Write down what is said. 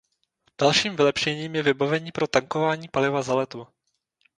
Dalším vylepšením je vybavení pro tankování paliva za letu.